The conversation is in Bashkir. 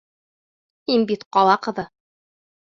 Һин бит ҡала ҡыҙы.